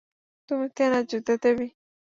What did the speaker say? তুমি থেনা, যুদ্ধের দেবী।